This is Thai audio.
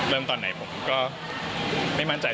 เริ่มตอนในผมก็ไม่มั่นใจ